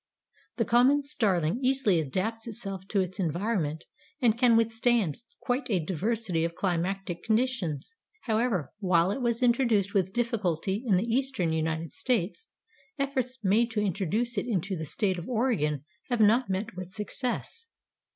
The common Starling easily adapts itself to its environment and can withstand quite a diversity of climatic conditions. However, while it was introduced with difficulty in the eastern United States, efforts made to introduce it into the State of Oregon have not met with success.